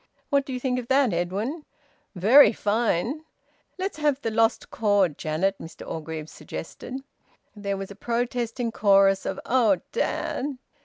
What do you think of that, Edwin?" "Very fine!" "Let's have the `Lost Chord,' Janet," Mr Orgreave suggested. There was a protesting chorus of "Oh, dad!"